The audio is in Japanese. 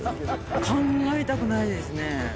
考えたくないですね。